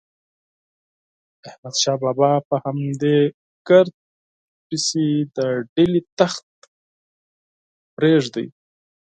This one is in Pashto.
احمد شاه بابا په همدې ګرد پسې د ډیلي تخت پرېښود.